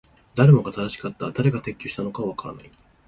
誰もが正しかった。誰が撤去したのかはわからない。